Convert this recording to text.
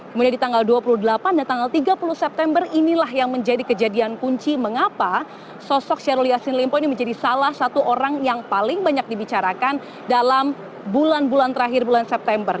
kemudian di tanggal dua puluh delapan dan tanggal tiga puluh september inilah yang menjadi kejadian kunci mengapa sosok syahrul yassin limpo ini menjadi salah satu orang yang paling banyak dibicarakan dalam bulan bulan terakhir bulan september